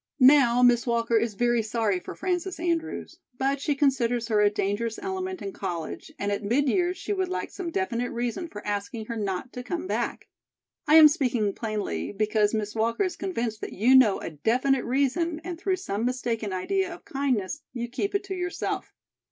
"Now, Miss Walker is very sorry for Frances Andrews; but she considers her a dangerous element in college, and at mid years she would like some definite reason for asking her not to come back. I am speaking plainly, because Miss Walker is convinced that you know a definite reason and through some mistaken idea of kindness, you keep it to yourself.